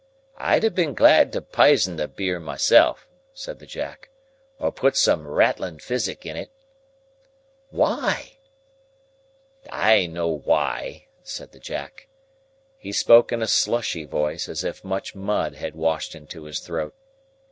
I'd ha' been glad to pison the beer myself," said the Jack, "or put some rattling physic in it." "Why?" "I know why," said the Jack. He spoke in a slushy voice, as if much mud had washed into his throat.